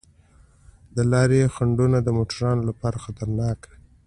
د لارې خنډونه د موټروانو لپاره خطرناک وي.